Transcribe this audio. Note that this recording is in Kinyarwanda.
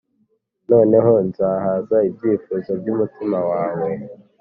noneho nzahaza ibyifuzo byumutima wawe